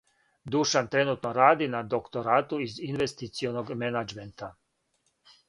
Душан тренутно ради на докторату из инвестиционог менаџмента.